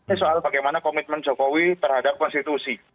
ini soal bagaimana komitmen jokowi terhadap konstitusi